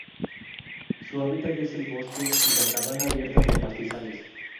Su hábitat es el bosque, y la sabana abierta de pastizales.